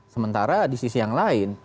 sementara di sisi yang lain